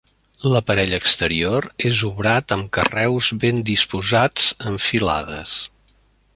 L'aparell exterior és obrat amb carreus ben disposats en filades.